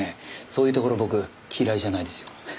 そういうところ僕嫌いじゃないですよ。